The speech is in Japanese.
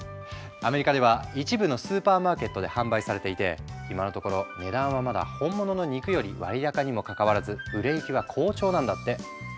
アメリカでは一部のスーパーマーケットで販売されていて今のところ値段はまだ本物の肉より割高にもかかわらず売れ行きは好調なんだって。